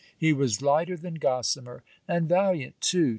He was lighter than Gossamer. And valiant too!